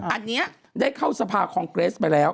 อันนี้ได้เข้าสภาคองเกรสไปแล้ว